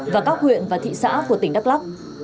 và các huyện và thị xã của tỉnh đắk lắc